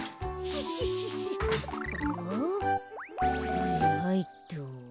はいはいっと。